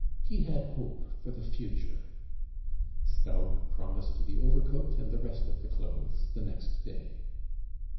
He had hope for the future. Staub promised the overcoat and the rest of the clothes the next day.